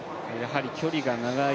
距離が長い